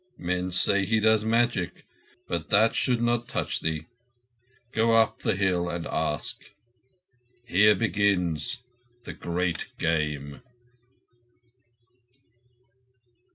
Men say he does magic, but that should not touch thee. Go up the hill and ask. Here begins the Great Game."